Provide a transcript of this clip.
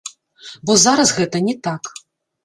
Бо зараз гэта не так.